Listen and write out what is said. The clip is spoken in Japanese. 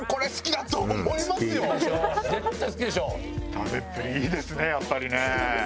食べっぷりいいですねやっぱりね！